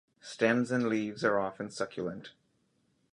Stems and leaves are often succulent.